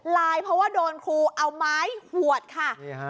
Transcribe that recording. ลายเพราะว่าโดนครูเอาไม้หวดค่ะ